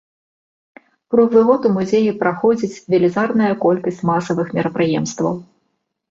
Круглы год у музеі праходзіць велізарная колькасць масавых мерапрыемстваў.